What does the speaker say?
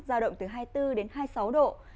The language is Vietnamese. giao động từ hai mươi bốn đến hai mươi sáu độ